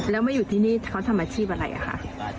แล้วมาอยู่ที่นี่เขาทำอาชีพอะไรคะ